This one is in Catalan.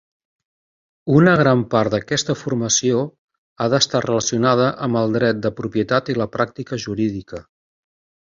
Una gran part d"aquesta formació ha d"estar relacionada amb el dret de propietat i la pràctica jurídica.